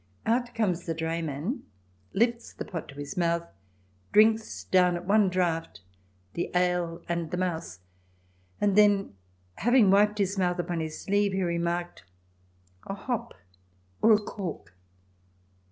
Out comes the drayman, lifts the pot to his mouth, drinks down at one draught the ale and the mouse, and then, having wiped his mouth upon his sleeve, he remarked, "A hop or a cork!"